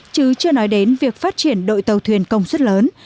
chứ chưa nói đến việc phát triển đội tàu thuyền công suất lớn